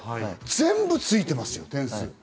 全部ついてますよ、点数。